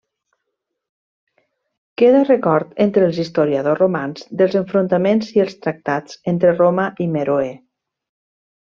Queda record entre els historiadors romans dels enfrontaments i els tractats entre Roma i Meroe.